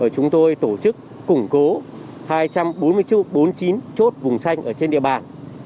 chúng tôi tổ chức củng cố hai trăm bốn mươi chín chốt vùng xanh trên địa bàn